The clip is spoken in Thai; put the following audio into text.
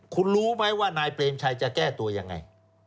คุณรู้ไหมว่านายเปรมชัยจะแก้ตัวยังไง